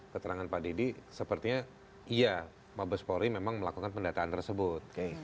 keterangan pak deddy sepertinya iya mabes polri memang melakukan pendataan tersebut